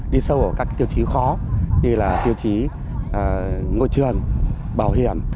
đi sâu ở các tiêu chí khó như là tiêu chí ngôi trường bảo hiểm